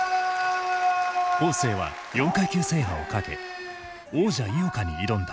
恒成は４階級制覇を懸け王者井岡に挑んだ。